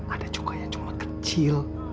ada juga yang cuma kecil